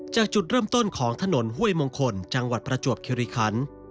จากจุดเริ่มต้นของถนนห้วยมงคลจังหวัดประจวบคิริคัน